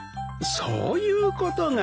そういうことが。